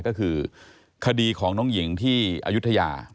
ก็คือคดีของน้องหญิงที่อายุทยา